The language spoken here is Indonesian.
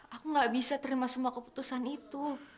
aku gak bisa terima semua keputusan itu